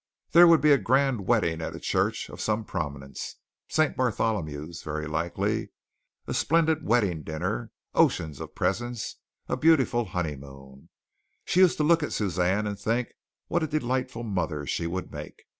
There would be a grand wedding at a church of some prominence, St. Bartholomew's, very likely; a splendid wedding dinner, oceans of presents, a beautiful honeymoon. She used to look at Suzanne and think what a delightful mother she would make.